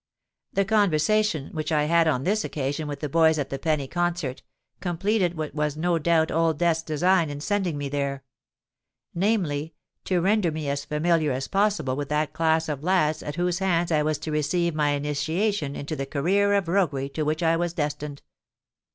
"The conversation which I had on this occasion with the boys at the penny concert, completed what was no doubt Old Death's design in sending me there: namely, to render me as familiar as possible with that class of lads at whose hands I was to receive my initiation into the career of roguery to which I was destined.